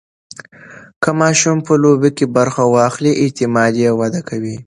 که ماشوم په لوبو کې برخه واخلي، اعتماد یې وده کوي.